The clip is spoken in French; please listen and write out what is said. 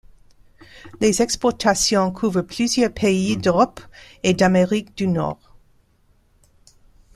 Les exportations couvrent plusieurs pays d'Europe et d'Amérique du Nord.